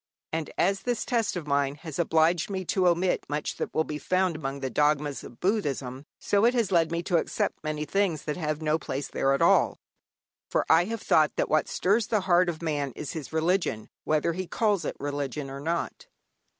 And as this test of mine has obliged me to omit much that will be found among the dogmas of Buddhism, so it has led me to accept many things that have no place there at all. For I have thought that what stirs the heart of man is his religion, whether he calls it religion or not.